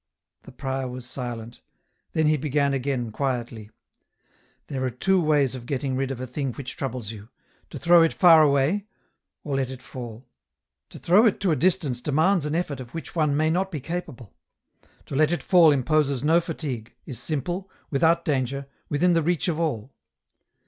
The prior was silent ; then he began again, quietly, " There are two ways of getting rid of a thing which troubles you — to throw it far away, or let it fall. To throw it to a distance demands an effort of which one may not be capable ; to let it fall imposes no fatigue, is simple, without danger, within the reach of all.